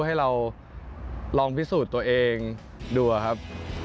ให้เราลองพิสูจน์ตัวเองดูครับ